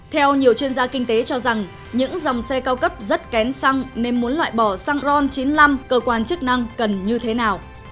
theo nhiều chuyên gia kinh tế cho rằng những dòng xe cao cấp rất kén xăng nên muốn loại bỏ xăng ron chín mươi năm cơ quan chức năng cần như thế nào